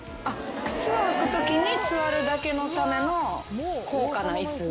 靴を履くときに座るだけのための高価な椅子。